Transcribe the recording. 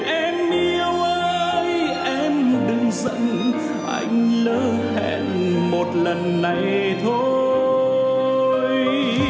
em yêu ơi em đừng giận anh lỡ hẹn một lần này thôi